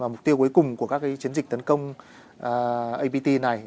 và mục tiêu cuối cùng của các cái chiến dịch tấn công apt này